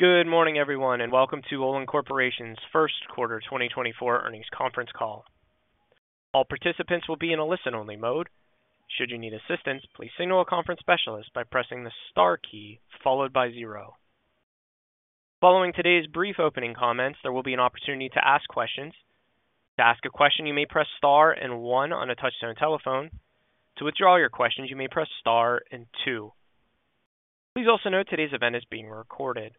Good morning, everyone, and welcome to Olin Corporation's first quarter 2024 earnings conference call. All participants will be in a listen-only mode. Should you need assistance, please signal a conference specialist by pressing the star key followed by zero. Following today's brief opening comments, there will be an opportunity to ask questions. To ask a question, you may press star and one on a touch-tone telephone. To withdraw your questions, you may press star and two. Please also note today's event is being recorded.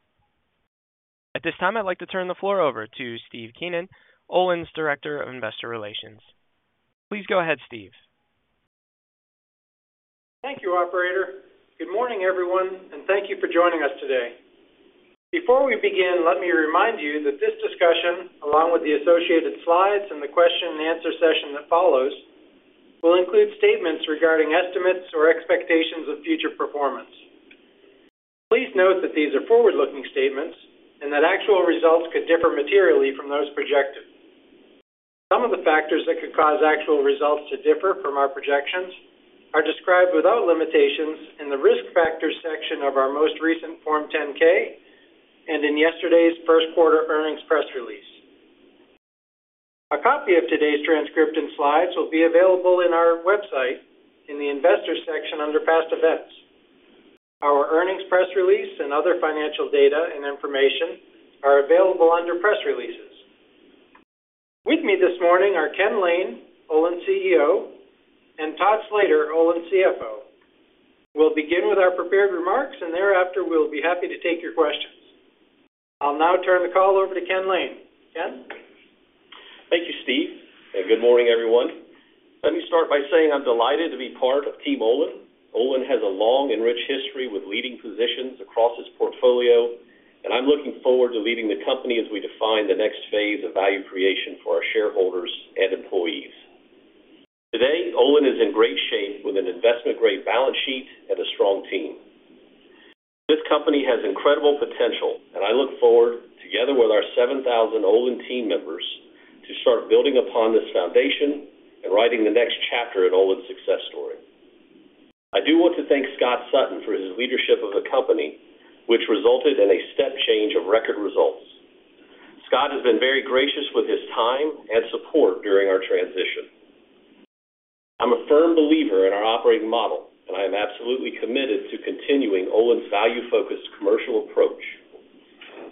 At this time, I'd like to turn the floor over to Steve Keenan, Olin's Director of Investor Relations. Please go ahead, Steve. Thank you, Operator. Good morning, everyone, and thank you for joining us today. Before we begin, let me remind you that this discussion, along with the associated slides and the question-and-answer session that follows, will include statements regarding estimates or expectations of future performance. Please note that these are forward-looking statements and that actual results could differ materially from those projected. Some of the factors that could cause actual results to differ from our projections are described without limitations in the risk factors section of our most recent Form 10-K and in yesterday's first quarter earnings press release. A copy of today's transcript and slides will be available on our website in the investor section under past events. Our earnings press release and other financial data and information are available under press releases. With me this morning are Ken Lane, Olin CEO, and Todd Slater, Olin CFO. We'll begin with our prepared remarks, and thereafter we'll be happy to take your questions. I'll now turn the call over to Ken Lane. Ken? Thank you, Steve. Good morning, everyone. Let me start by saying I'm delighted to be part of Team Olin. Olin has a long and rich history with leading positions across its portfolio, and I'm looking forward to leading the company as we define the next phase of value creation for our shareholders and employees. Today, Olin is in great shape with an investment-grade balance sheet and a strong team. This company has incredible potential, and I look forward, together with our 7,000 Olin team members, to start building upon this foundation and writing the next chapter in Olin's success story. I do want to thank Scott Sutton for his leadership of the company, which resulted in a step change of record results. Scott has been very gracious with his time and support during our transition. I'm a firm believer in our operating model, and I am absolutely committed to continuing Olin's value-focused commercial approach.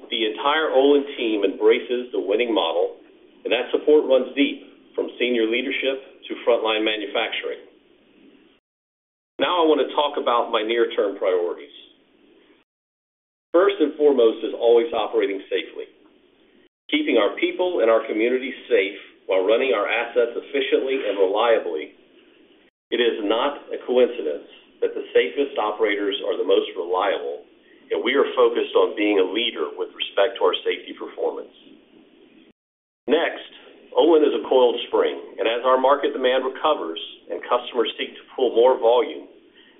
The entire Olin team embraces the winning model, and that support runs deep, from senior leadership to frontline manufacturing. Now I want to talk about my near-term priorities. First and foremost is always operating safely. Keeping our people and our community safe while running our assets efficiently and reliably. It is not a coincidence that the safest operators are the most reliable, and we are focused on being a leader with respect to our safety performance. Next, Olin is a coiled spring, and as our market demand recovers and customers seek to pull more volume,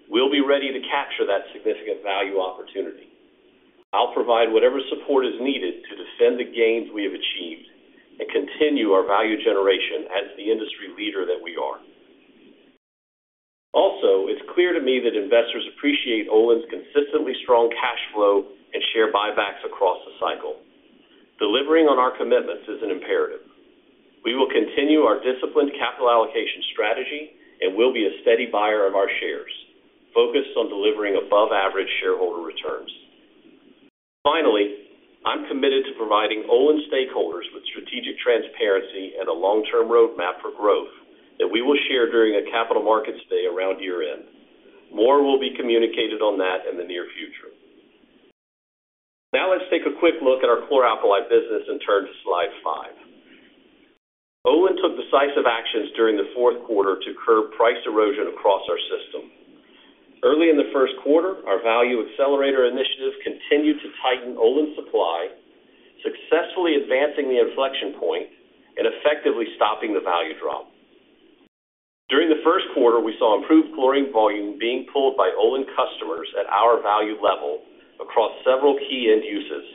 we'll be ready to capture that significant value opportunity. I'll provide whatever support is needed to defend the gains we have achieved and continue our value generation as the industry leader that we are. Also, it's clear to me that investors appreciate Olin's consistently strong cash flow and share buybacks across the cycle. Delivering on our commitments is an imperative. We will continue our disciplined capital allocation strategy and will be a steady buyer of our shares, focused on delivering above-average shareholder returns. Finally, I'm committed to providing Olin stakeholders with strategic transparency and a long-term roadmap for growth that we will share during a capital markets day around year-end. More will be communicated on that in the near future. Now let's take a quick look at our Chlor Alkali business and turn to slide 5. Olin took decisive actions during the fourth quarter to curb price erosion across our system. Early in the first quarter, our Value Accelerator initiative continued to tighten Olin supply, successfully advancing the inflection point and effectively stopping the value drop. During the first quarter, we saw improved chlorine volume being pulled by Olin customers at our value level across several key end uses,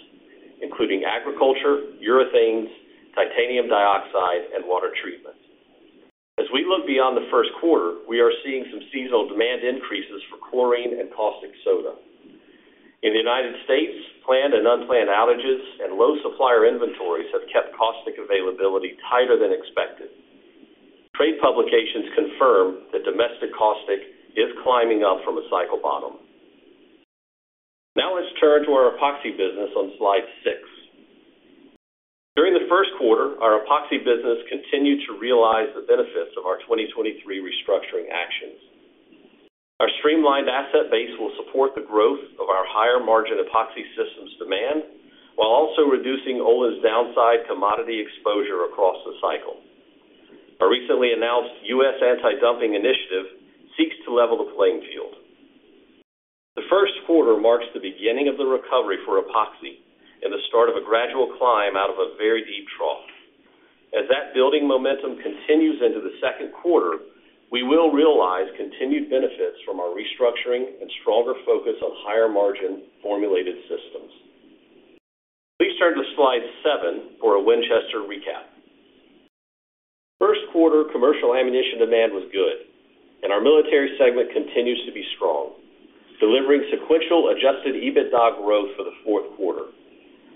including agriculture, urethanes, titanium dioxide, and water treatment. As we look beyond the first quarter, we are seeing some seasonal demand increases for chlorine and caustic soda. In the United States, planned and unplanned outages and low supplier inventories have kept caustic availability tighter than expected. Trade publications confirm that domestic caustic is climbing up from a cycle bottom. Now let's turn to our epoxy business on slide 6. During the first quarter, our epoxy business continued to realize the benefits of our 2023 restructuring actions. Our streamlined asset base will support the growth of our higher-margin epoxy systems demand while also reducing Olin's downside commodity exposure across the cycle. Our recently announced U.S. anti-dumping initiative seeks to level the playing field. The first quarter marks the beginning of the recovery for epoxy and the start of a gradual climb out of a very deep trough. As that building momentum continues into the second quarter, we will realize continued benefits from our restructuring and stronger focus on higher-margin formulated systems. Please turn to slide 7 for a Winchester recap. First quarter commercial ammunition demand was good, and our military segment continues to be strong, delivering sequential Adjusted EBITDA growth for the fourth quarter.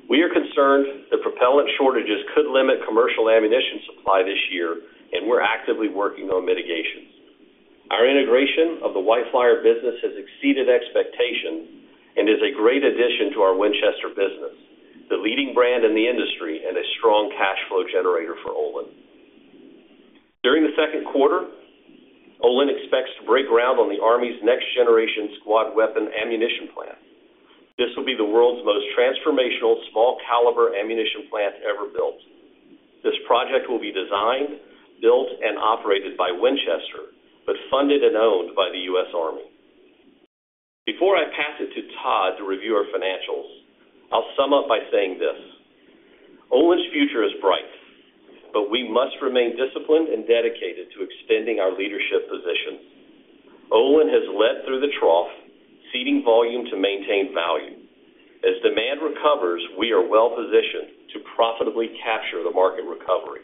We are concerned that propellant shortages could limit commercial ammunition supply this year, and we're actively working on mitigation. Our integration of the White Flyer business has exceeded expectations and is a great addition to our Winchester business, the leading brand in the industry and a strong cash flow generator for Olin. During the second quarter, Olin expects to break ground on the Army's Next Generation Squad Weapon ammunition plant. This will be the world's most transformational small-caliber ammunition plant ever built. This project will be designed, built, and operated by Winchester but funded and owned by the U.S. Army. Before I pass it to Todd to review our financials, I'll sum up by saying this: Olin's future is bright, but we must remain disciplined and dedicated to extending our leadership position. Olin has led through the trough, seeding volume to maintain value. As demand recovers, we are well-positioned to profitably capture the market recovery.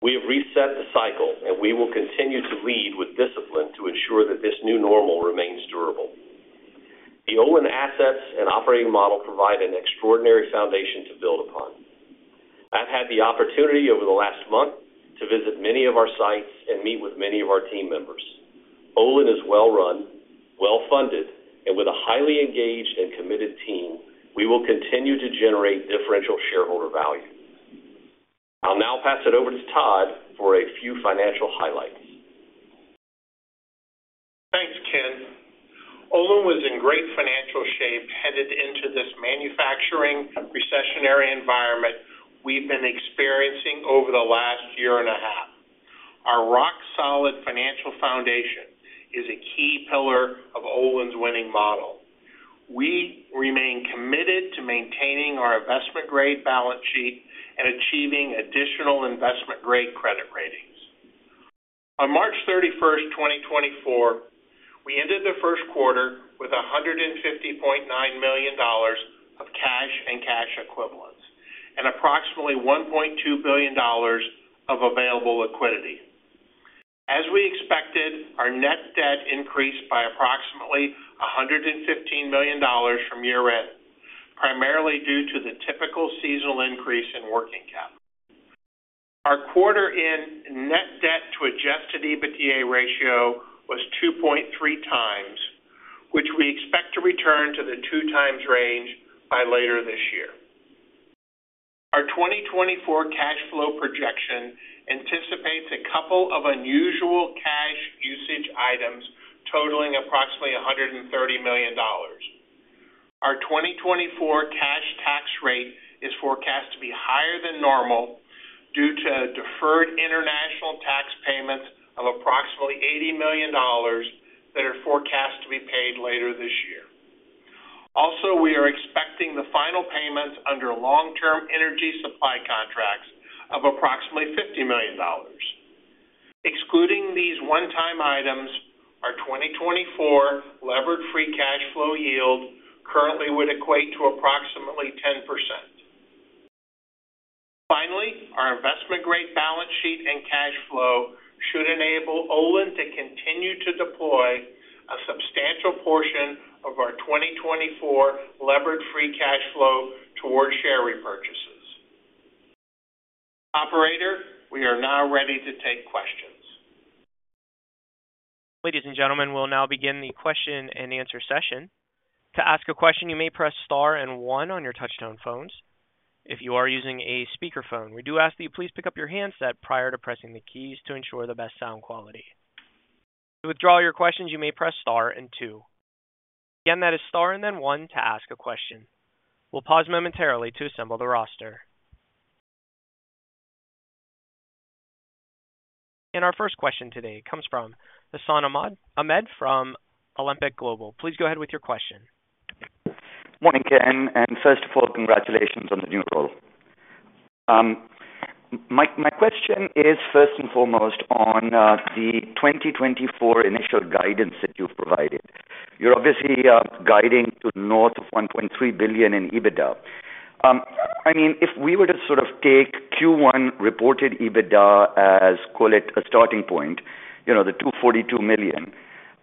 We have reset the cycle, and we will continue to lead with discipline to ensure that this new normal remains durable. The Olin assets and operating model provide an extraordinary foundation to build upon. I've had the opportunity over the last month to visit many of our sites and meet with many of our team members. Olin is well-run, well-funded, and with a highly engaged and committed team, we will continue to generate differential shareholder value. I'll now pass it over to Todd for a few financial highlights. Thanks, Ken. Olin was in great financial shape headed into this manufacturing recessionary environment we've been experiencing over the last year and a half. Our rock-solid financial foundation is a key pillar of Olin's winning model. We remain committed to maintaining our investment-grade balance sheet and achieving additional investment-grade credit ratings. On March 31, 2024, we ended the first quarter with $150.9 million of cash and cash equivalents and approximately $1.2 billion of available liquidity. As we expected, our net debt increased by approximately $115 million from year-end, primarily due to the typical seasonal increase in working capital. Our quarter-end net debt-to-Adjusted EBITDA ratio was 2.3x, which we expect to return to the 2x range by later this year. Our 2024 cash flow projection anticipates a couple of unusual cash usage items totaling approximately $130 million. Our 2024 cash tax rate is forecast to be higher than normal due to deferred international tax payments of approximately $80 million that are forecast to be paid later this year. Also, we are expecting the final payments under long-term energy supply contracts of approximately $50 million. Excluding these one-time items, our 2024 Levered Free Cash Flow yield currently would equate to approximately 10%. Finally, our Investment-grade balance sheet and cash flow should enable Olin to continue to deploy a substantial portion of our 2024 Levered Free Cash Flow toward share repurchases. Operator, we are now ready to take questions. Ladies and gentlemen, we'll now begin the question-and-answer session. To ask a question, you may press star and one on your touch-tone phones. If you are using a speakerphone, we do ask that you please pick up your handset prior to pressing the keys to ensure the best sound quality. To withdraw your questions, you may press star and two. Again, that is star and then one to ask a question. We'll pause momentarily to assemble the roster. And our first question today comes from Hassan Ahmed from Alembic Global. Please go ahead with your question. Morning, Ken. And first of all, congratulations on the new role. My question is first and foremost on the 2024 initial guidance that you've provided. You're obviously guiding to north of $1.3 billion in EBITDA. I mean, if we were to sort of take Q1 reported EBITDA as, call it, a starting point, the $242 million,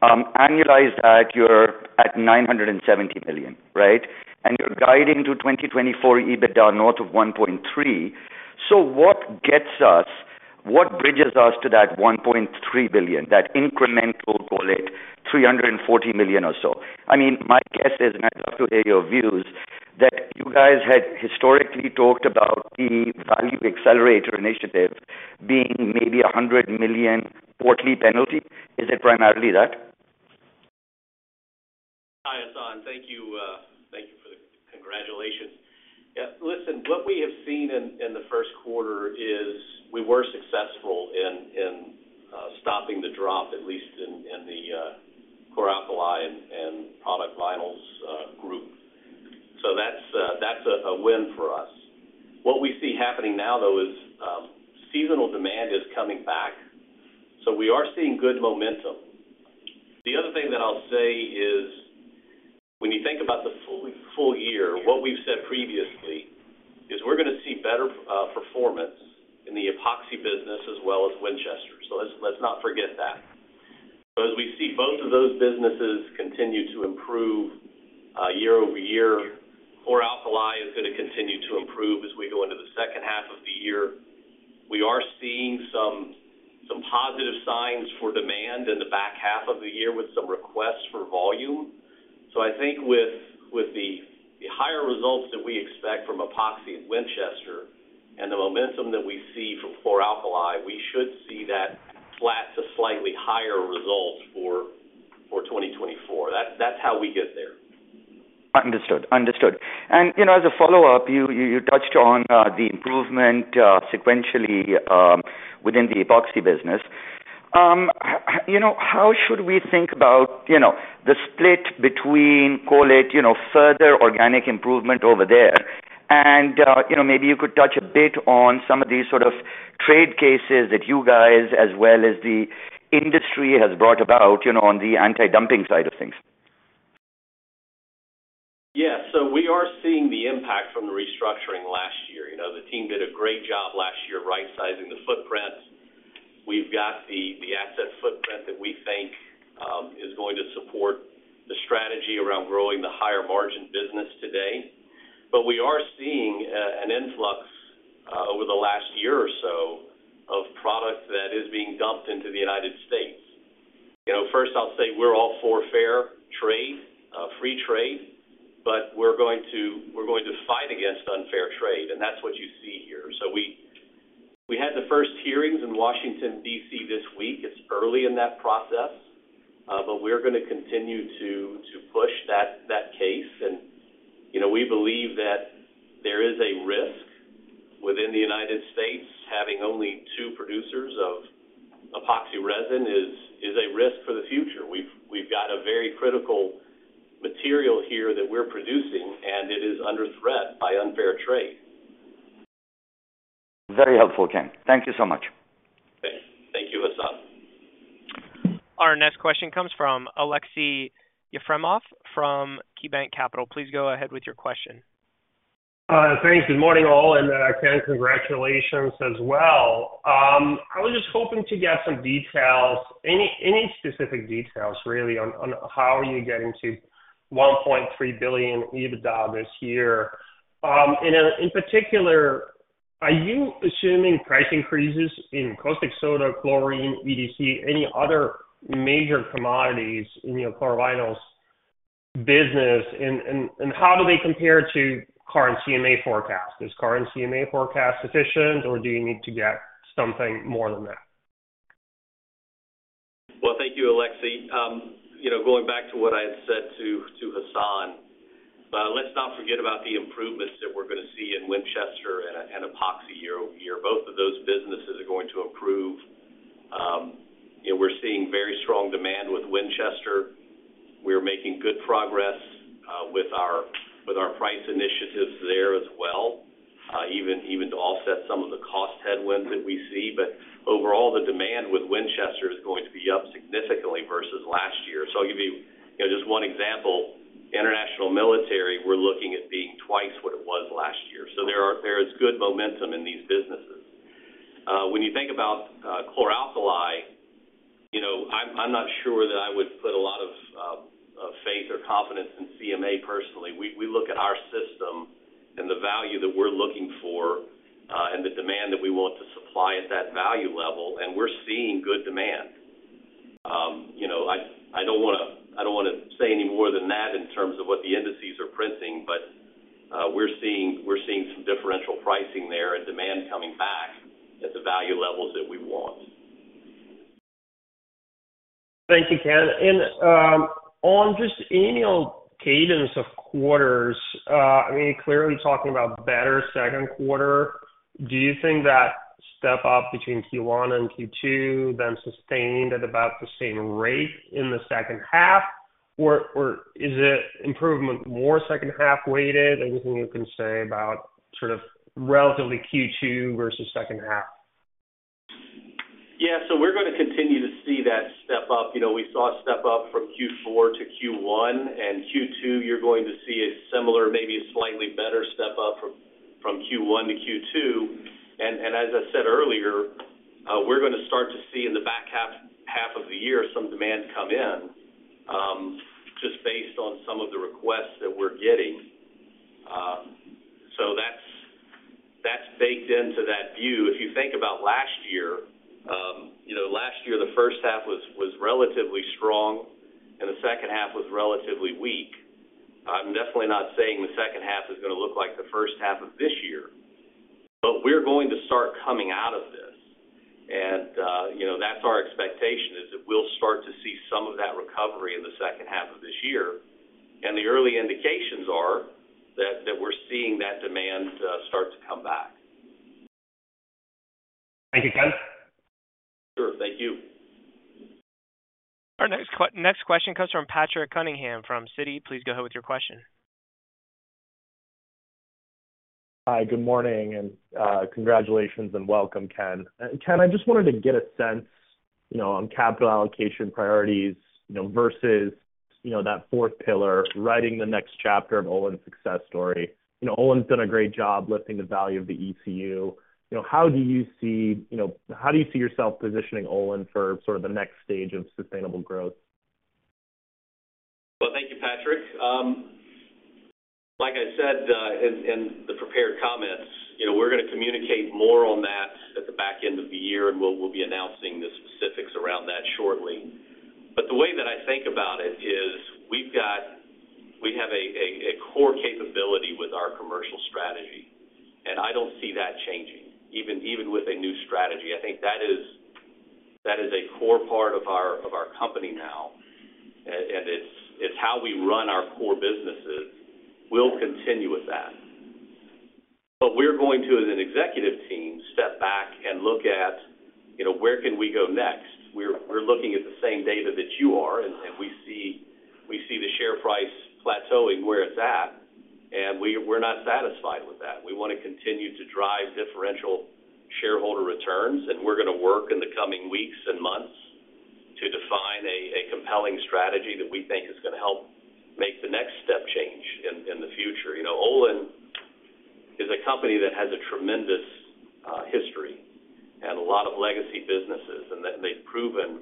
annualize that, you're at $970 million, right? And you're guiding to 2024 EBITDA north of $1.3. So what gets us what bridges us to that $1.3 billion, that incremental, call it, $340 million or so? I mean, my guess is, and I'd love to hear your views, that you guys had historically talked about the Value Accelerator initiative being maybe a $100 million quarterly penalty. Is it primarily that? Hi, Hassan. Thank you for the congratulations. Yeah, listen, what we have seen in the first quarter is we were successful in stopping the drop, at least in the chlor-alkali and product vinyls group. So that's a win for us. What we see happening now, though, is seasonal demand is coming back, so we are seeing good momentum. The other thing that I'll say is, when you think about the full year, what we've said previously is we're going to see better performance in the epoxy business as well as Winchester. So let's not forget that. So as we see both of those businesses continue to improve year-over-year, chlor-alkali is going to continue to improve as we go into the second half of the year. We are seeing some positive signs for demand in the back half of the year with some requests for volume. So I think with the higher results that we expect from Epoxy at Winchester and the momentum that we see from chlor-alkali, we should see that flat to slightly higher results for 2024. That's how we get there. Understood. Understood. As a follow-up, you touched on the improvement sequentially within the epoxy business. How should we think about the split between, call it, further organic improvement over there? And maybe you could touch a bit on some of these sort of trade cases that you guys as well as the industry has brought about on the anti-dumping side of things. Yeah, so we are seeing the impact from the restructuring last year. The team did a great job last year right-sizing the footprint. We've got the asset footprint that we think is going to support the strategy around growing the higher-margin business today. But we are seeing an influx over the last year or so of product that is being dumped into the United States. First, I'll say we're all for fair trade, free trade, but we're going to fight against unfair trade, and that's what you see here. So we had the first hearings in Washington, D.C., this week. It's early in that process, but we're going to continue to push that case. And we believe that there is a risk within the United States having only two producers of epoxy resin is a risk for the future. We've got a very critical material here that we're producing, and it is under threat by unfair trade. Very helpful, Ken. Thank you so much. Thank you, Hasan. Our next question comes from Alexei Yefremov from KeyBanc Capital Markets. Please go ahead with your question. Thanks. Good morning, all. And, Ken, congratulations as well. I was just hoping to get some details, any specific details, really, on how you're getting to $1.3 billion EBITDA this year. And in particular, are you assuming price increases in caustic soda, chlorine, EDC, any other major commodities in your chlorovinyls business? And how do they compare to Chemical Market Analytics forecasts? Is Chemical Market Analytics forecast sufficient, or do you need to get something more than that? Well, thank you, Alexei. Going back to what I had said to Hassan, let's not forget about the improvements that we're going to see in Winchester and epoxy year-over-year. Both of those businesses are going to improve. We're seeing very strong demand with Winchester. We're making good progress with our price initiatives there as well, even to offset some of the cost headwinds that we see. But overall, the demand with Winchester is going to be up significantly versus last year. So I'll give you just one example. International military, we're looking at being twice what it was last year. So there is good momentum in these businesses. When you think about chlor-alkali, I'm not sure that I would put a lot of faith or confidence in CMA personally. We look at our system and the value that we're looking for and the demand that we want to supply at that value level, and we're seeing good demand. I don't want to say any more than that in terms of what the indices are printing, but we're seeing some differential pricing there and demand coming back at the value levels that we want. Thank you, Ken. And on just annual cadence of quarters, I mean, you're clearly talking about better second quarter. Do you think that step up between Q1 and Q2 then sustained at about the same rate in the second half, or is it improvement more second-half weighted? Anything you can say about sort of relatively Q2 versus second half? Yeah, so we're going to continue to see that step up. We saw a step up from Q4 to Q1. Q2, you're going to see a similar, maybe a slightly better step up from Q1 to Q2. As I said earlier, we're going to start to see in the back half of the year some demand come in just based on some of the requests that we're getting. So that's baked into that view. If you think about last year, last year, the first half was relatively strong, and the second half was relatively weak. I'm definitely not saying the second half is going to look like the first half of this year, but we're going to start coming out of this. That's our expectation, is that we'll start to see some of that recovery in the second half of this year. The early indications are that we're seeing that demand start to come back. Thank you, Ken. Sure. Thank you. Our next question comes from Patrick Cunningham from Citi. Please go ahead with your question. Hi. Good morning and congratulations and welcome, Ken. Ken, I just wanted to get a sense on capital allocation priorities versus that fourth pillar, writing the next chapter of Olin's success story. Olin's done a great job lifting the value of the ECU. How do you see yourself positioning Olin for sort of the next stage of sustainable growth? Well, thank you, Patrick. Like I said in the prepared comments, we're going to communicate more on that at the back end of the year, and we'll be announcing the specifics around that shortly. But the way that I think about it is we have a core capability with our commercial strategy, and I don't see that changing, even with a new strategy. I think that is a core part of our company now, and it's how we run our core businesses. We'll continue with that. But we're going to, as an executive team, step back and look at where can we go next? We're looking at the same data that you are, and we see the share price plateauing where it's at, and we're not satisfied with that. We want to continue to drive differential shareholder returns, and we're going to work in the coming weeks and months to define a compelling strategy that we think is going to help make the next step change in the future. Olin is a company that has a tremendous history and a lot of legacy businesses, and they've proven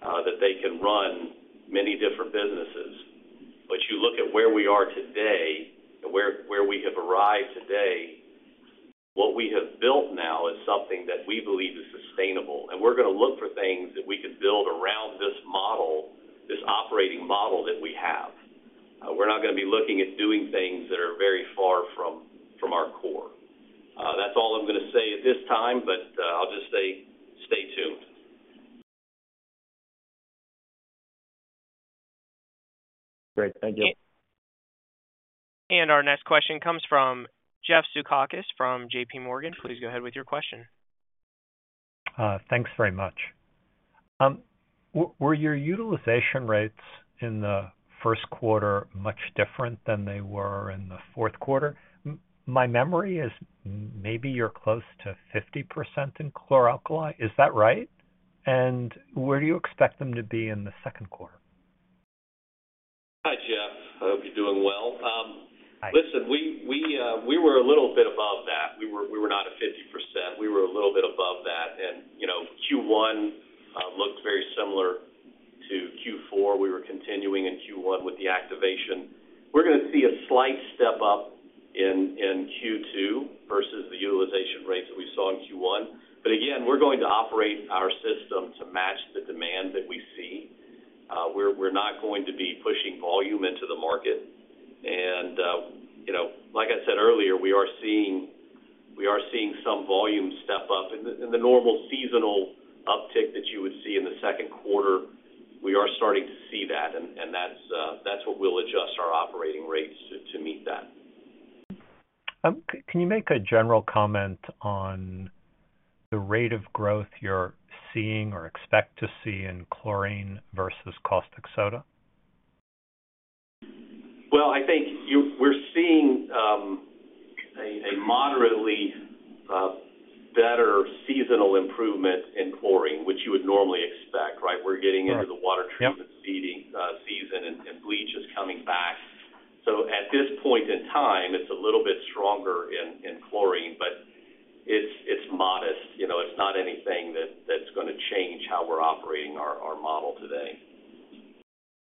that they can run many different businesses. But you look at where we are today and where we have arrived today, what we have built now is something that we believe is sustainable. And we're going to look for things that we can build around this model, this operating model that we have. We're not going to be looking at doing things that are very far from our core. That's all I'm going to say at this time, but I'll just say stay tuned. Great. Thank you. Our next question comes from Jeffrey Zekauskas from J.P. Morgan. Please go ahead with your question. Thanks very much. Were your utilization rates in the first quarter much different than they were in the fourth quarter? My memory is maybe you're close to 50% in chlor-alkali. Is that right? And where do you expect them to be in the second quarter? Hi, Jeff. I hope you're doing well. Listen, we were a little bit above that. We were not at 50%. We were a little bit above that. And Q1 looked very similar to Q4. We were continuing in Q1 with the activation. We're going to see a slight step up in Q2 versus the utilization rates that we saw in Q1. But again, we're going to operate our system to match the demand that we see. We're not going to be pushing volume into the market. And like I said earlier, we are seeing some volume step up. In the normal seasonal uptick that you would see in the second quarter, we are starting to see that, and that's what we'll adjust our operating rates to meet that. Can you make a general comment on the rate of growth you're seeing or expect to see in chlorine versus caustic soda? Well, I think we're seeing a moderately better seasonal improvement in chlorine, which you would normally expect, right? We're getting into the water treatment season and bleach is coming back. So at this point in time, it's a little bit stronger in chlorine, but it's modest. It's not anything that's going to change how we're operating our model today.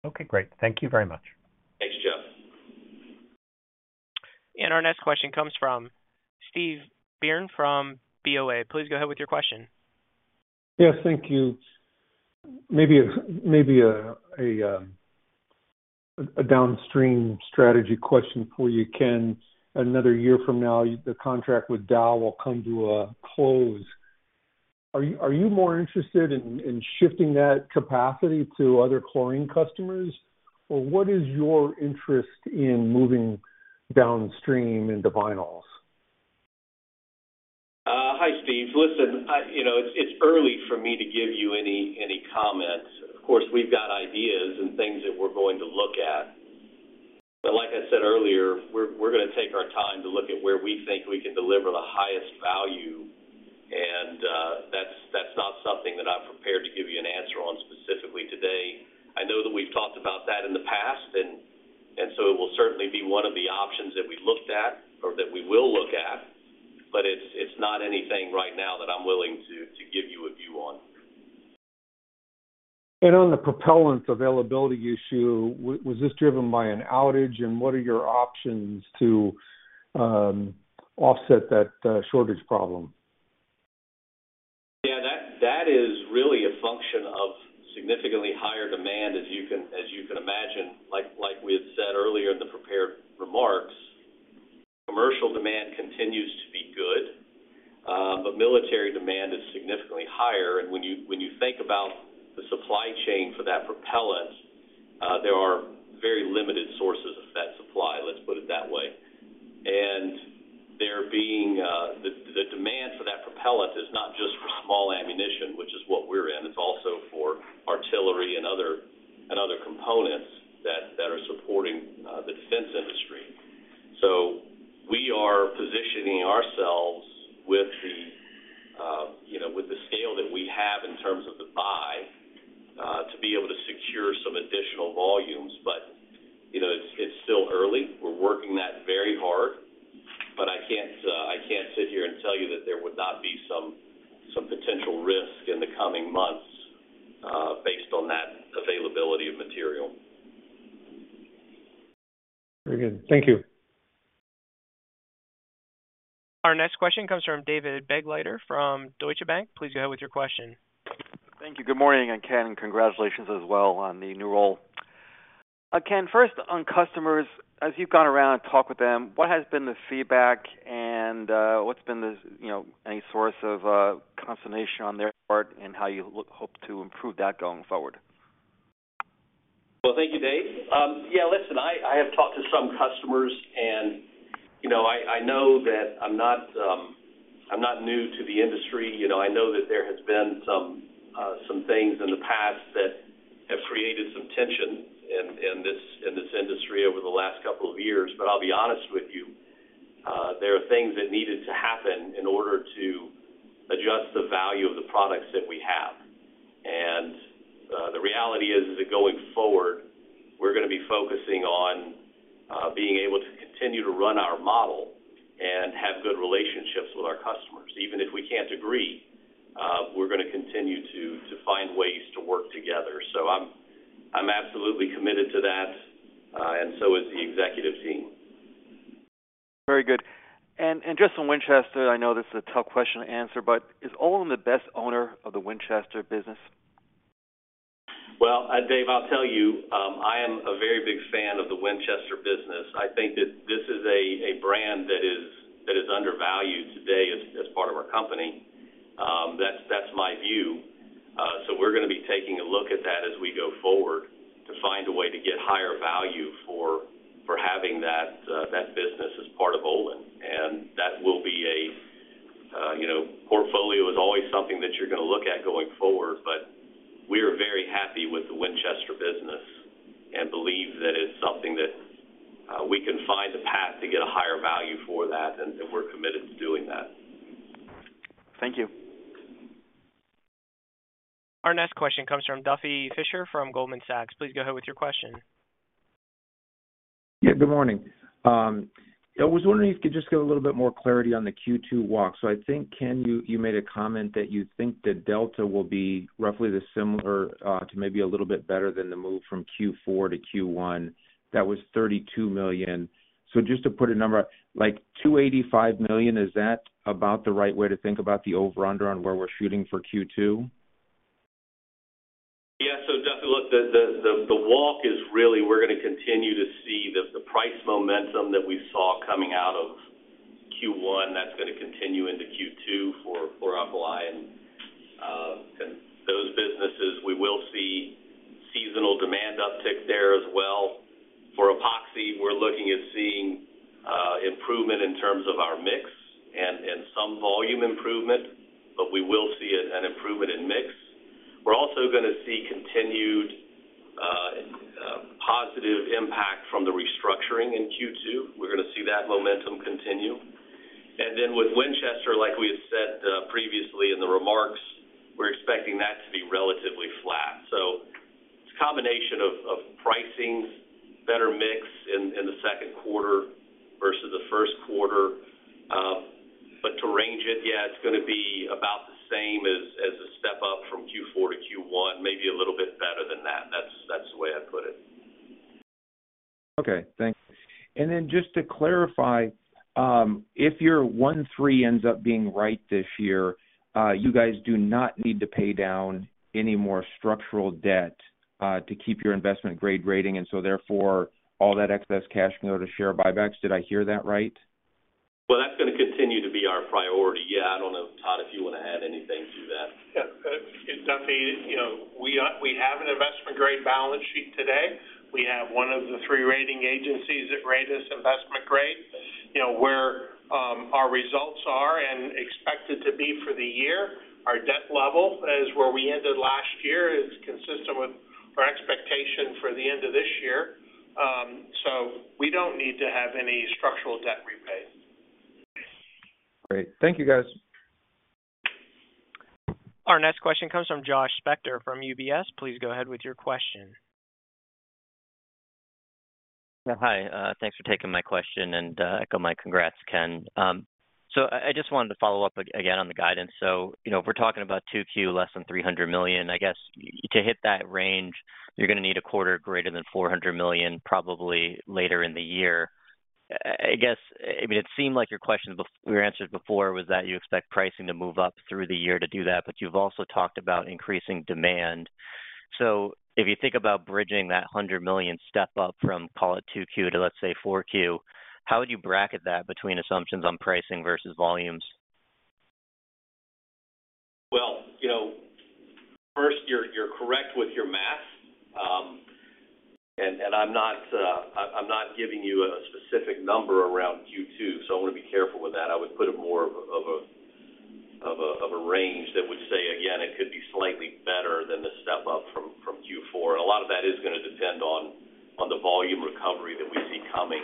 Okay. Great. Thank you very much. Thanks, Jeff. Our next question comes from Steve Byrne from BofA. Please go ahead with your question. Yes. Thank you. Maybe a downstream strategy question for you, Ken. Another year from now, the contract with Dow will come to a close. Are you more interested in shifting that capacity to other chlorine customers, or what is your interest in moving downstream into vinyls? Hi, Steve. Listen, it's early for me to give you any comments. Of course, we've got ideas and things that we're going to look at. But like I said earlier, we're going to take our time to look at where we think we can deliver the highest value, and that's not something that I'm prepared to give you an answer on specifically today. I know that we've talked about that in the past, and so it will certainly be one of the options that we looked at or that we will look at, but it's not anything right now that I'm willing to give you a view on. On the propellant availability issue, was this driven by an outage, and what are your options to offset that shortage problem? Yeah, that is really a function of significantly higher demand, as you can imagine. Like we had said earlier in the prepared remarks, commercial demand continues to be good, but military demand is significantly higher. And when you think about the supply chain for that propellant, there are very limited sources of that supply, let's put it that way. And the demand for that propellant is not just for small ammunition, which is what we're in. It's also for artillery and other components that are supporting the defense industry. So we are positioning ourselves with the scale that we have in terms of the buy to be able to secure some additional volumes, but it's still early. We're working that very hard, but I can't sit here and tell you that there would not be some potential risk in the coming months based on that availability of material. Very good. Thank you. Our next question comes from David Begleiter from Deutsche Bank. Please go ahead with your question. Thank you. Good morning, Ken, and congratulations as well on the new role. Ken, first, on customers, as you've gone around and talked with them, what has been the feedback, and what's been any source of consternation on their part in how you hope to improve that going forward? Well, thank you, Dave. Yeah, listen, I have talked to some customers, and I know that I'm not new to the industry. I know that there have been some things in the past that have created some tension in this industry over the last couple of years. I'll be honest with you, there are things that needed to happen in order to adjust the value of the products that we have. The reality is that going forward, we're going to be focusing on being able to continue to run our model and have good relationships with our customers. Even if we can't agree, we're going to continue to find ways to work together. I'm absolutely committed to that, and so is the executive team. Very good. Just on Winchester, I know this is a tough question to answer, but is Olin the best owner of the Winchester business? Well, Dave, I'll tell you, I am a very big fan of the Winchester business. I think that this is a brand that is undervalued today as part of our company. That's my view. So we're going to be taking a look at that as we go forward to find a way to get higher value for having that business as part of Olin. And that will be a portfolio is always something that you're going to look at going forward, but we are very happy with the Winchester business and believe that it's something that we can find the path to get a higher value for that, and we're committed to doing that. Thank you. Our next question comes from Duffy Fischer from Goldman Sachs. Please go ahead with your question. Yeah. Good morning. I was wondering if you could just get a little bit more clarity on the Q2 walk. So I think, Ken, you made a comment that you think the delta will be roughly the similar to maybe a little bit better than the move from Q4 to Q1. That was $32 million. So just to put a number, $285 million, is that about the right way to think about the over/under on where we're shooting for Q2? Yeah. So definitely, look, the walk is really we're going to continue to see the price momentum that we saw coming out of Q1. That's going to continue into Q2 for chlor-alkali and those businesses. We will see seasonal demand uptick there as well. For epoxy, we're looking at seeing improvement in terms of our mix and some volume improvement, but we will see an improvement in mix. We're also going to see continued positive impact from the restructuring in Q2. We're going to see that momentum continue. And then with Winchester, like we had said previously in the remarks, we're expecting that to be relatively flat. So it's a combination of pricings, better mix in the second quarter versus the first quarter. But to range it, yeah, it's going to be about the same as a step up from Q4 to Q1, maybe a little bit better than that. That's the way I'd put it. Okay. Thanks. And then just to clarify, if your 1.3 ends up being right this year, you guys do not need to pay down any more structural debt to keep your investment-grade rating, and so therefore, all that excess cash can go to share buybacks. Did I hear that right? Well, that's going to continue to be our priority. Yeah. I don't know, Todd, if you want to add anything to that. Yeah. Duffy, we have an investment-grade balance sheet today. We have one of the three rating agencies that rate us investment-grade. Where our results are and expected to be for the year, our debt level as where we ended last year is consistent with our expectation for the end of this year. So we don't need to have any structural debt repayment. Great. Thank you, guys. Our next question comes from Josh Spector from UBS. Please go ahead with your question. Hi. Thanks for taking my question and echo my congrats, Ken. So I just wanted to follow up again on the guidance. So if we're talking about 2Q less than $300 million, I guess to hit that range, you're going to need a quarter greater than $400 million probably later in the year. I mean, it seemed like your answers before was that you expect pricing to move up through the year to do that, but you've also talked about increasing demand. So if you think about bridging that $100 million step up from, call it, 2Q to, let's say, 4Q, how would you bracket that between assumptions on pricing versus volumes? Well, first, you're correct with your math, and I'm not giving you a specific number around Q2, so I want to be careful with that. I would put it more of a range that would say, again, it could be slightly better than the step up from Q4. And a lot of that is going to depend on the volume recovery that we see coming.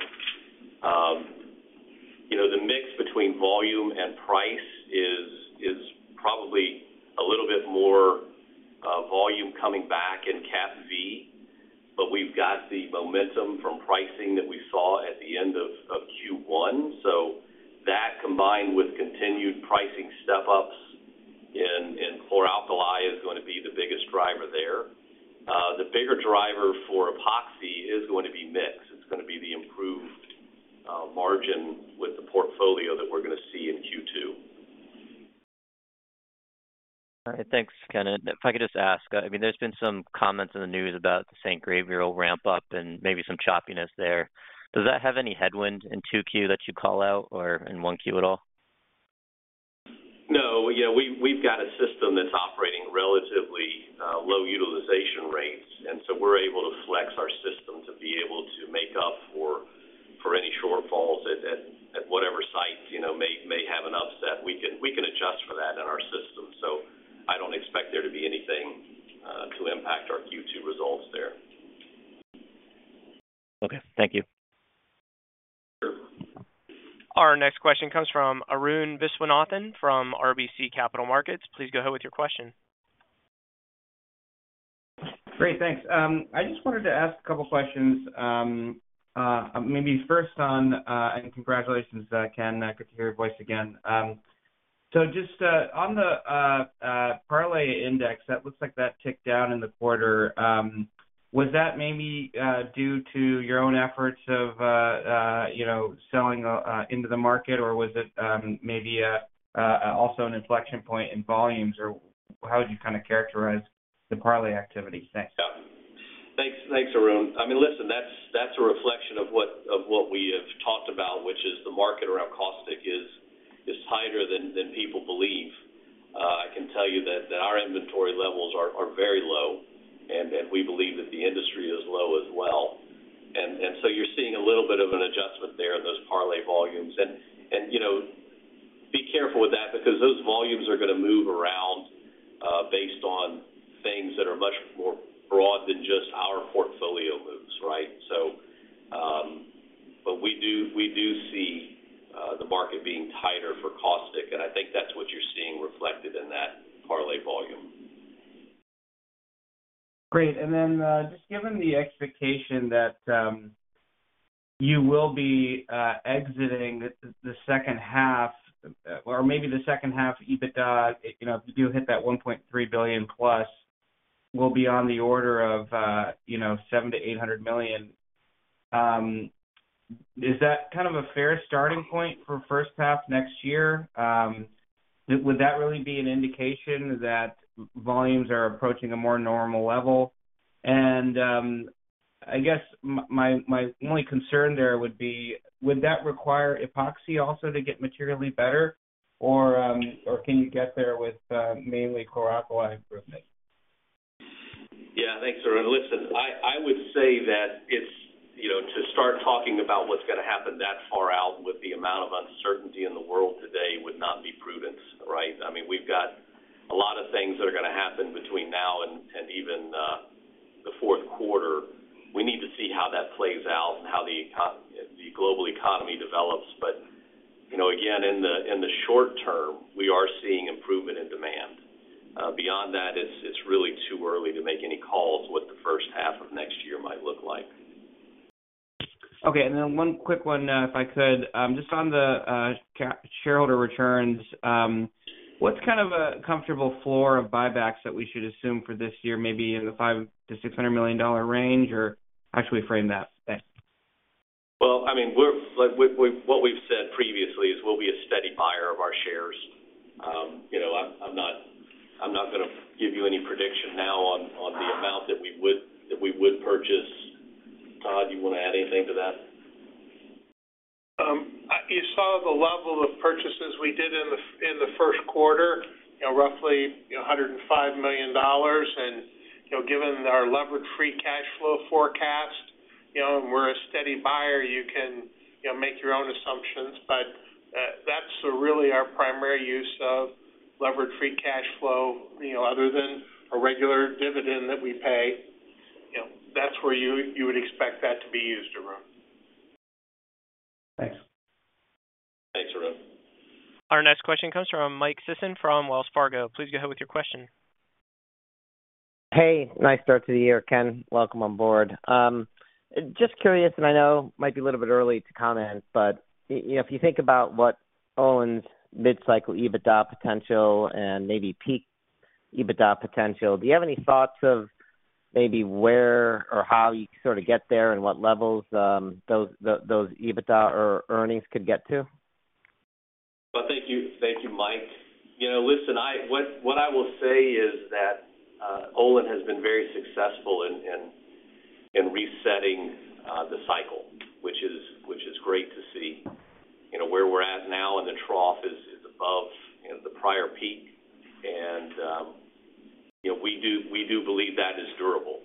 The mix between volume and price is probably a little bit more volume coming back in PVC, but we've got the momentum from pricing that we saw at the end of Q1. So that combined with continued pricing step-ups in chlor-alkali is going to be the biggest driver there. The bigger driver for epoxy is going to be mix. It's going to be the improved margin with the portfolio that we're going to see in Q2. All right. Thanks, Ken. And if I could just ask, I mean, there's been some comments in the news about the St. Gabriel mural ramp-up and maybe some choppiness there. Does that have any headwind in 2Q that you call out or in 1Q at all? No. Yeah. We've got a system that's operating relatively low utilization rates, and so we're able to flex our system to be able to make up for any shortfalls at whatever sites may have an upset. We can adjust for that in our system. So I don't expect there to be anything to impact our Q2 results there. Okay. Thank you. Our next question comes from Arun Viswanathan from RBC Capital Markets. Please go ahead with your question. Great. Thanks. I just wanted to ask a couple of questions. Maybe first on and congratulations, Ken. Good to hear your voice again. So just on the Parlay index, that looks like that ticked down in the quarter. Was that maybe due to your own efforts of selling into the market, or was it maybe also an inflection point in volumes, or how would you kind of characterize the Parlay activity? Thanks. Yeah. Thanks, Arun. I mean, listen, that's a reflection of what we have talked about, which is the market around caustic is tighter than people believe. I can tell you that our inventory levels are very low, and we believe that the industry is low as well. And so you're seeing a little bit of an adjustment there in those Parlay volumes. And be careful with that because those volumes are going to move around based on things that are much more broad than just our portfolio moves, right? But we do see the market being tighter for caustic, and I think that's what you're seeing reflected in that Parlay volume. Great. And then just given the expectation that you will be exiting the second half or maybe the second half EBITDA, if you do hit that $1.3 billion plus, will be on the order of $700 million-$800 million, is that kind of a fair starting point for first half next year? Would that really be an indication that volumes are approaching a more normal level? And I guess my only concern there would be, would that require epoxy also to get materially better, or can you get there with mainly chlor-alkali improvement? Yeah. Thanks, Arun. Listen, I would say that to start talking about what's going to happen that far out with the amount of uncertainty in the world today would not be prudent, right? I mean, we've got a lot of things that are going to happen between now and even the fourth quarter. We need to see how that plays out and how the global economy develops. But again, in the short term, we are seeing improvement in demand. Beyond that, it's really too early to make any calls what the first half of next year might look like. Okay. And then one quick one, if I could. Just on the shareholder returns, what's kind of a comfortable floor of buybacks that we should assume for this year, maybe in the $500 million-$600 million range? Or how should we frame that? Thanks. Well, I mean, what we've said previously is we'll be a steady buyer of our shares. I'm not going to give you any prediction now on the amount that we would purchase. Todd, do you want to add anything to that? You saw the level of purchases we did in the first quarter, roughly $105 million. Given our levered free cash flow forecast and we're a steady buyer, you can make your own assumptions. That's really our primary use of levered free cash flow other than our regular dividend that we pay. That's where you would expect that to be used, Arun. Thanks. Thanks, Arun. Our next question comes from Mike Sison from Wells Fargo. Please go ahead with your question. Hey. Nice start to the year, Ken. Welcome on board. Just curious, and I know it might be a little bit early to comment, but if you think about what Olin's mid-cycle EBITDA potential and maybe peak EBITDA potential, do you have any thoughts of maybe where or how you could sort of get there and what levels those EBITDA earnings could get to? Well, thank you, Mike. Listen, what I will say is that Olin has been very successful in resetting the cycle, which is great to see. Where we're at now in the trough is above the prior peak, and we do believe that is durable.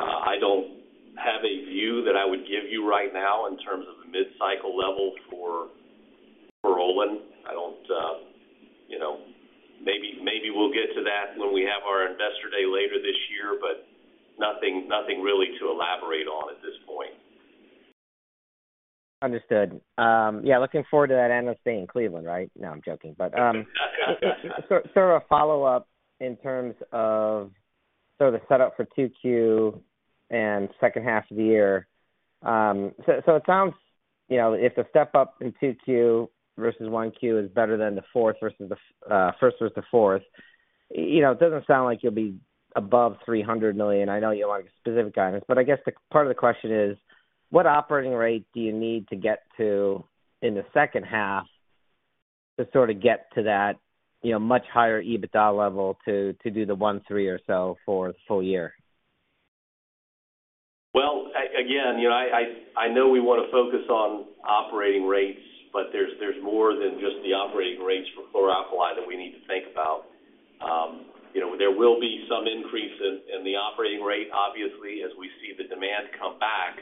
I don't have a view that I would give you right now in terms of the mid-cycle level for Olin. Maybe we'll get to that when we have our investor day later this year, but nothing really to elaborate on at this point. Understood. Yeah. Looking forward to that endless day in Cleveland, right? No, I'm joking. But sort of a follow-up in terms of sort of the setup for 2Q and second half of the year. So it sounds if the step up in 2Q versus 1Q is better than the fourth versus the first versus the fourth, it doesn't sound like you'll be above $300 million. I know you don't want to get specific guidance, but I guess part of the question is, what operating rate do you need to get to in the second half to sort of get to that much higher EBITDA level to do the $1.3 billion or so for the full year? Well, again, I know we want to focus on operating rates, but there's more than just the operating rates for chlor-alkali that we need to think about. There will be some increase in the operating rate, obviously, as we see the demand come back.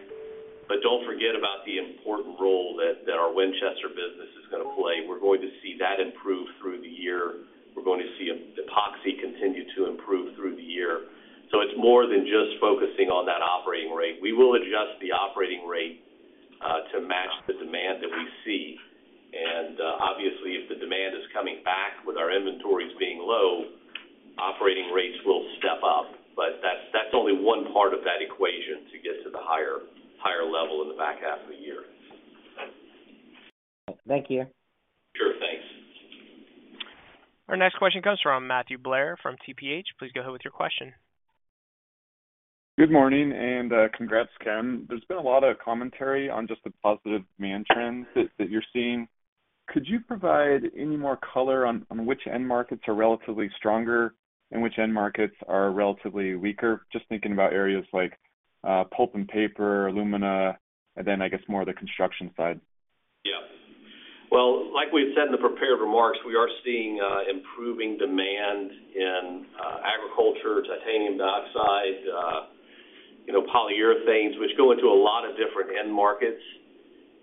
But don't forget about the important role that our Winchester business is going to play. We're going to see that improve through the year. We're going to see epoxy continue to improve through the year. So it's more than just focusing on that operating rate. We will adjust the operating rate to match the demand that we see. And obviously, if the demand is coming back with our inventories being low, operating rates will step up. But that's only one part of that equation to get to the higher level in the back half of the year. Thank you. Sure. Thanks. Our next question comes from Matthew Blair from TPH. Please go ahead with your question. Good morning and congrats, Ken. There's been a lot of commentary on just the positive demand trends that you're seeing. Could you provide any more color on which end markets are relatively stronger and which end markets are relatively weaker, just thinking about areas like pulp and paper, alumina, and then, I guess, more of the construction side? Yeah. Well, like we had said in the prepared remarks, we are seeing improving demand in agriculture, titanium dioxide, polyurethanes, which go into a lot of different end markets.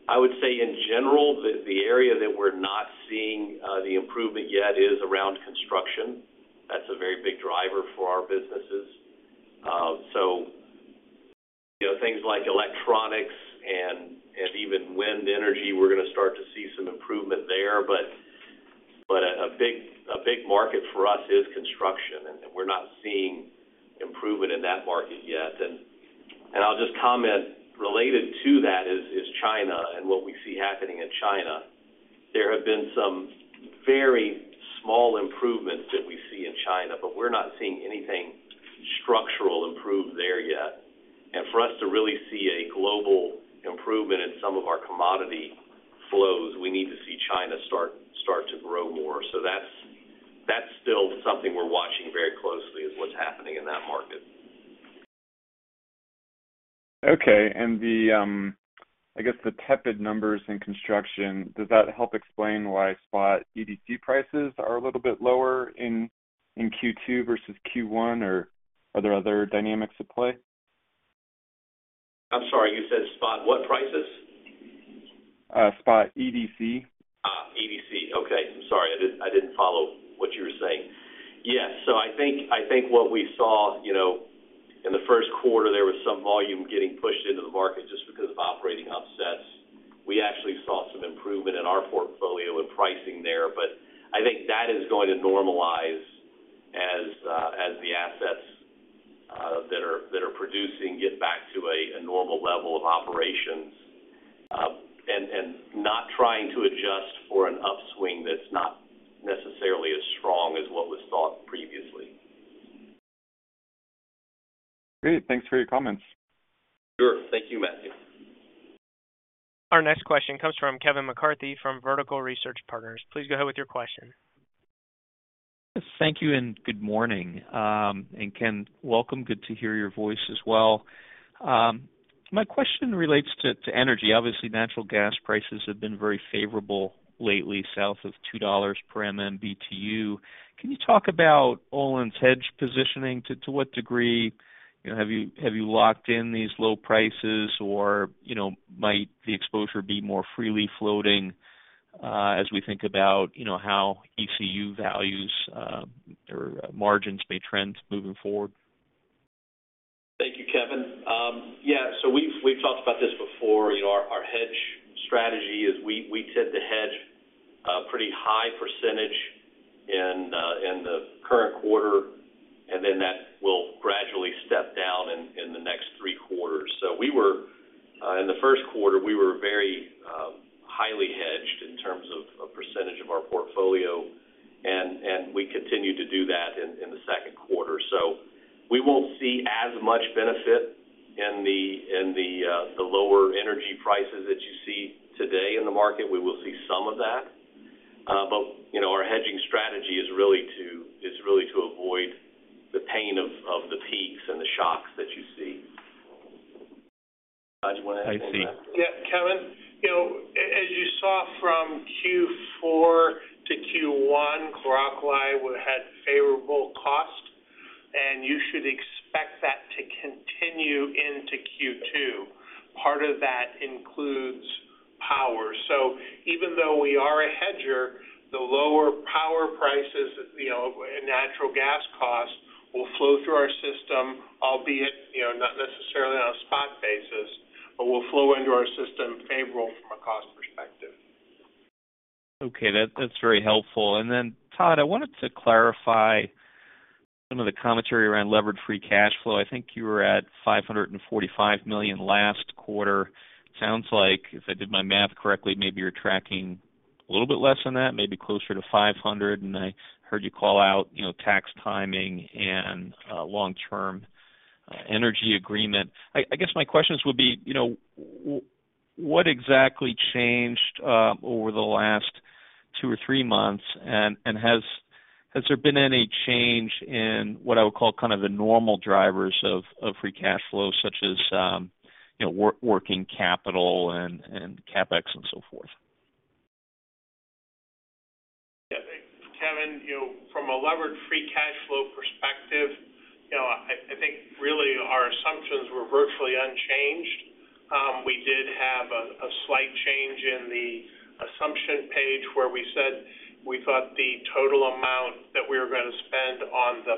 I would say, in general, the area that we're not seeing the improvement yet is around construction. That's a very big driver for our businesses. So things like electronics and even wind energy, we're going to start to see some improvement there. But a big market for us is construction, and we're not seeing improvement in that market yet. And I'll just comment related to that is China and what we see happening in China. There have been some very small improvements that we see in China, but we're not seeing anything structural improved there yet. And for us to really see a global improvement in some of our commodity flows, we need to see China start to grow more. That's still something we're watching very closely is what's happening in that market. Okay. I guess the tepid numbers in construction, does that help explain why spot EDC prices are a little bit lower in Q2 versus Q1, or are there other dynamics at play? I'm sorry. You said spot what prices? Spot EDC. EDC. Okay. I'm sorry. I didn't follow what you were saying. Yes. So I think what we saw in the first quarter, there was some volume getting pushed into the market just because of operating upsets. We actually saw some improvement in our portfolio and pricing there, but I think that is going to normalize as the assets that are producing get back to a normal level of operations and not trying to adjust for an upswing that's not necessarily as strong as what was thought previously. Great. Thanks for your comments. Sure. Thank you, Matthew. Our next question comes from Kevin McCarthy from Vertical Research Partners. Please go ahead with your question. Thank you and good morning. Ken, welcome. Good to hear your voice as well. My question relates to energy. Obviously, natural gas prices have been very favorable lately south of $2 per BTU. Can you talk about Olin's hedge positioning? To what degree have you locked in these low prices, or might the exposure be more freely floating as we think about how ECU values or margins may trend moving forward? Thank you, Kevin. Yeah. So we've talked about this before. Our hedge strategy is we tend to hedge a pretty high percentage in the current quarter, and then that will gradually step down in the next three quarters. So in the first quarter, we were very highly hedged in terms of a percentage of our portfolio, and we continue to do that in the second quarter. So we won't see as much benefit in the lower energy prices that you see today in the market. We will see some of that. But our hedging strategy is really to avoid the pain of the peaks and the shocks that you see. Todd, do you want to add anything to that? I see. Yeah. Kevin, as you saw from Q4 to Q1, chlor-alkali had favorable cost, and you should expect that to continue into Q2. Part of that includes power. So even though we are a hedger, the lower power prices, natural gas costs will flow through our system, albeit not necessarily on a spot basis, but will flow into our system favorable from a cost perspective. Okay. That's very helpful. And then, Todd, I wanted to clarify some of the commentary around levered free cash flow. I think you were at $545 million last quarter. Sounds like, if I did my math correctly, maybe you're tracking a little bit less than that, maybe closer to $500 million. And I heard you call out tax timing and long-term energy agreement. I guess my questions would be, what exactly changed over the last two or three months, and has there been any change in what I would call kind of the normal drivers of free cash flow, such as working capital and CapEx and so forth? Yeah. Kevin, from a levered free cash flow perspective, I think really our assumptions were virtually unchanged. We did have a slight change in the assumption page where we said we thought the total amount that we were going to spend on the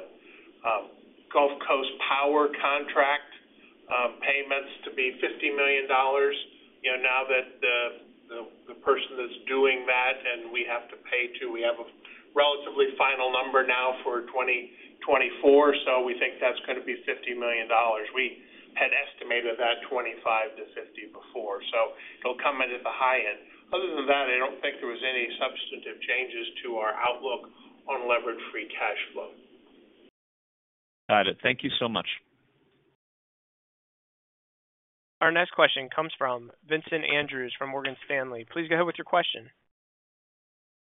Gulf Coast Power contract payments to be $50 million. Now that the person that's doing that and we have to pay to, we have a relatively final number now for 2024, so we think that's going to be $50 million. We had estimated that 25-50 before, so it'll come in at the high end. Other than that, I don't think there was any substantive changes to our outlook on levered free cash flow. Got it. Thank you so much. Our next question comes from Vincent Andrews from Morgan Stanley. Please go ahead with your question.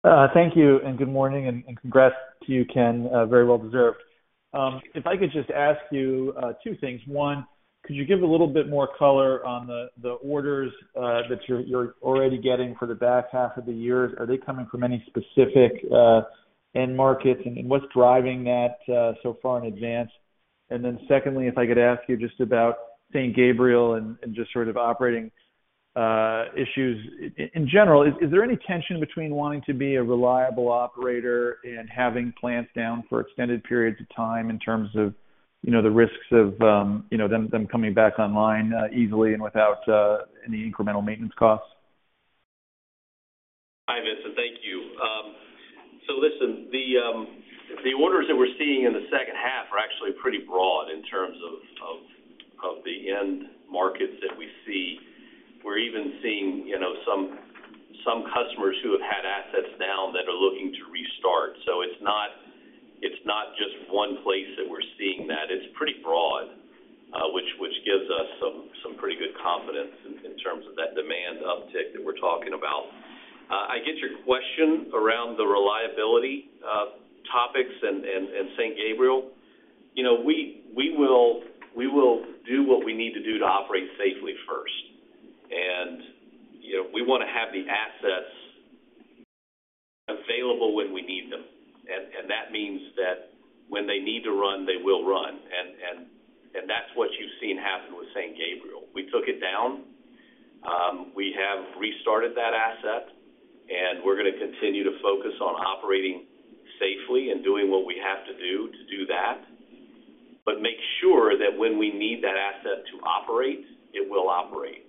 Thank you and good morning and congrats to you, Ken, very well deserved. If I could just ask you two things. One, could you give a little bit more color on the orders that you're already getting for the back half of the year? Are they coming from any specific end markets, and what's driving that so far in advance? And then secondly, if I could ask you just about St. Gabriel and just sort of operating issues in general, is there any tension between wanting to be a reliable operator and having plants down for extended periods of time in terms of the risks of them coming back online easily and without any incremental maintenance costs? Hi, Vincent. Thank you. So listen, the orders that we're seeing in the second half are actually pretty broad in terms of the end markets that we see. We're even seeing some customers who have had assets down that are looking to restart. So it's not just one place that we're seeing that. It's pretty broad, which gives us some pretty good confidence in terms of that demand uptick that we're talking about. I get your question around the reliability topics and St. Gabriel. We will do what we need to do to operate safely first, and we want to have the assets available when we need them. And that means that when they need to run, they will run. And that's what you've seen happen with St. Gabriel. We took it down. We have restarted that asset, and we're going to continue to focus on operating safely and doing what we have to do to do that, but make sure that when we need that asset to operate, it will operate.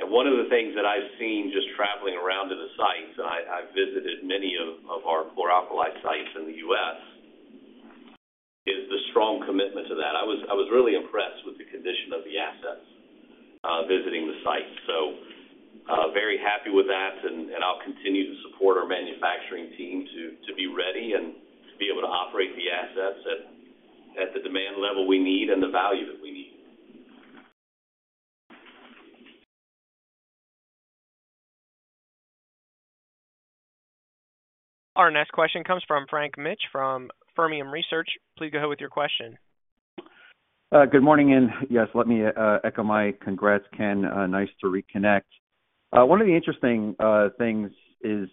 And one of the things that I've seen just traveling around to the sites - and I've visited many of our chlor-alkali sites in the U.S. - is the strong commitment to that. I was really impressed with the condition of the assets visiting the sites. So very happy with that, and I'll continue to support our manufacturing team to be ready and to be able to operate the assets at the demand level we need and the value that we need. Our next question comes from Frank Mitsch from Fermium Research. Please go ahead with your question. Good morning. Yes, let me echo my congrats, Ken. Nice to reconnect. One of the interesting things is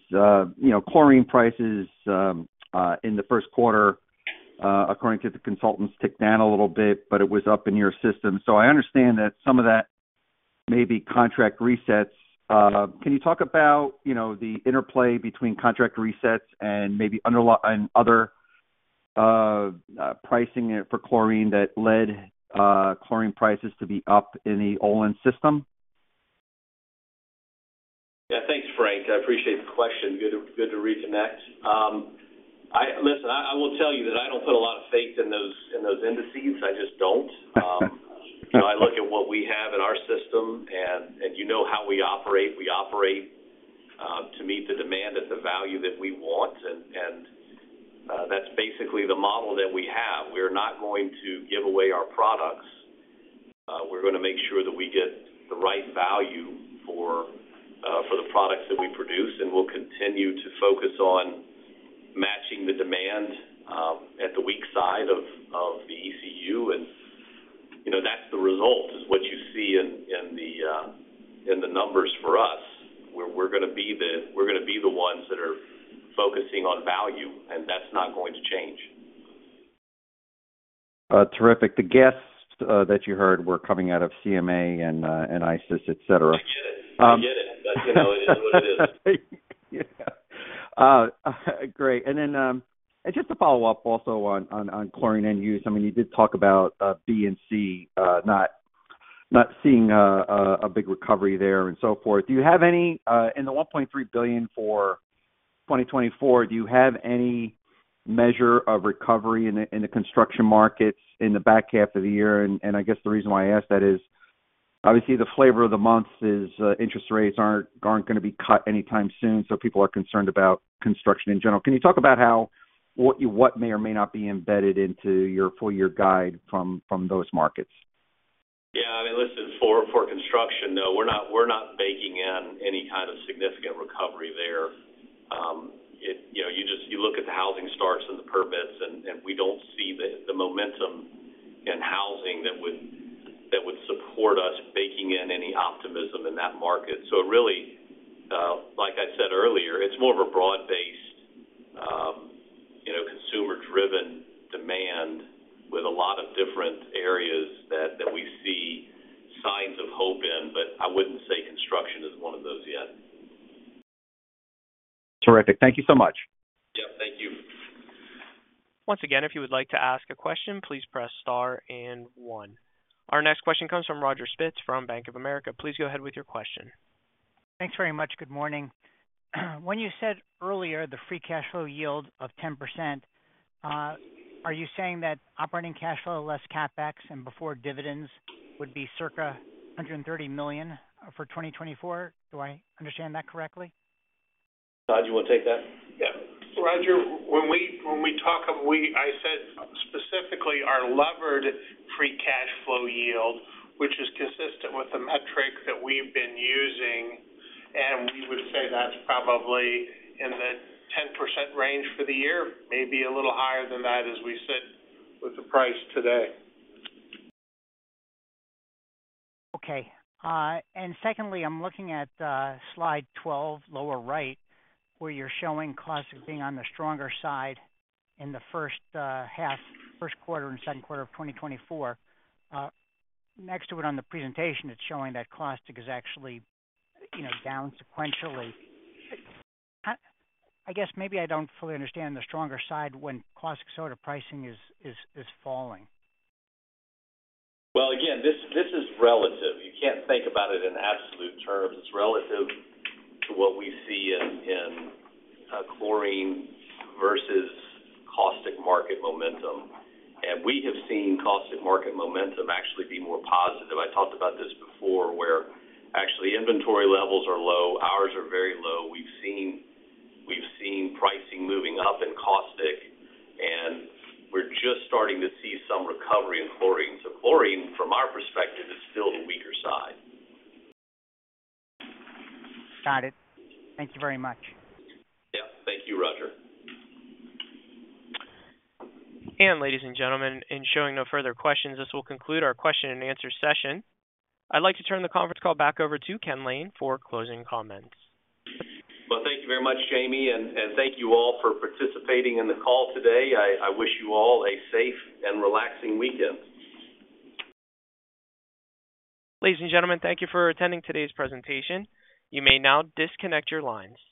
chlorine prices in the first quarter, according to the consultants, ticked down a little bit, but it was up in your system. I understand that some of that may be contract resets. Can you talk about the interplay between contract resets and maybe other pricing for chlorine that led chlorine prices to be up in the Olin system? Yeah. Thanks, Frank. I appreciate the question. Good to reconnect. Listen, I will tell you that I don't put a lot of faith in those indices. I just don't. I look at what we have in our system, and you know how we operate. We operate to meet the demand at the value that we want, and that's basically the model that we have. We are not going to give away our products. We're going to make sure that we get the right value for the products that we produce, and we'll continue to focus on matching the demand at the weak side of the ECU. And that's the result, is what you see in the numbers for us. We're going to be the ones that are focusing on value, and that's not going to change. Terrific. The guests that you heard were coming out of CMA and ICIS, etc. You get it. You get it. But it is what it is. Great. And then just to follow up also on chlorine end use, I mean, you did talk about B&C not seeing a big recovery there and so forth. Do you have any in the $1.3 billion for 2024, do you have any measure of recovery in the construction markets in the back half of the year? And I guess the reason why I ask that is, obviously, the flavor of the month is interest rates aren't going to be cut anytime soon, so people are concerned about construction in general. Can you talk about what may or may not be embedded into your full-year guide from those markets? Yeah. I mean, listen, for construction, no. We're not baking in any kind of significant recovery there. You look at the housing starts and the permits, and we don't see the momentum in housing that would support us baking in any optimism in that market. So really, like I said earlier, it's more of a broad-based, consumer-driven demand with a lot of different areas that we see signs of hope in, but I wouldn't say construction is one of those yet. Terrific. Thank you so much. Yep. Thank you. Once again, if you would like to ask a question, please press star and one. Our next question comes from Roger Spitz from Bank of America. Please go ahead with your question. Thanks very much. Good morning. When you said earlier the free cash flow yield of 10%, are you saying that operating cash flow, less CapEx and before dividends, would be circa $130 million for 2024? Do I understand that correctly? Todd, do you want to take that? Yeah. Roger, when we talk about, I said specifically our levered free cash flow yield, which is consistent with the metric that we've been using, and we would say that's probably in the 10% range for the year, maybe a little higher than that as we sit with the price today. Okay. And secondly, I'm looking at slide 12, lower right, where you're showing caustic being on the stronger side in the first quarter and second quarter of 2024. Next to it on the presentation, it's showing that caustic is actually down sequentially. I guess maybe I don't fully understand the stronger side when caustic soda pricing is falling. Well, again, this is relative. You can't think about it in absolute terms. It's relative to what we see in chlorine versus caustic market momentum. And we have seen caustic market momentum actually be more positive. I talked about this before where actually inventory levels are low, ours are very low. We've seen pricing moving up in caustic, and we're just starting to see some recovery in chlorine. So chlorine, from our perspective, is still the weaker side. Got it. Thank you very much. Yep. Thank you, Roger. Ladies and gentlemen, in showing no further questions, this will conclude our question-and-answer session. I'd like to turn the conference call back over to Ken Lane for closing comments. Well, thank you very much, Jamie, and thank you all for participating in the call today. I wish you all a safe and relaxing weekend. Ladies and gentlemen, thank you for attending today's presentation. You may now disconnect your lines.